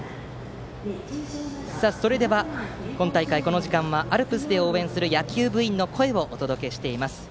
それでは今大会この時間はアルプスで応援する野球部員の声をお届けしています。